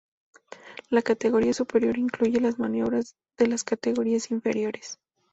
La categoría superior incluye las maniobras de las categorías inferiores.